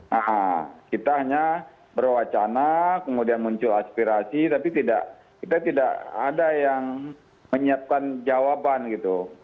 nah kita hanya berwacana kemudian muncul aspirasi tapi kita tidak ada yang menyiapkan jawaban gitu